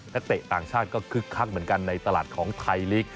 เตะต่างชาติก็คึกคักเหมือนกันในตลาดของไทยลีก